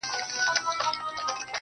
دا درېيم ځل دی چي مات زړه ټولوم~